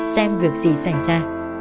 xem việc gì xảy ra